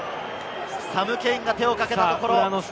サム・ケインが手をかけたところ。